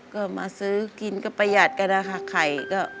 ก็มาซื้อกินก็ประหยัดกันนะคะไข่ก็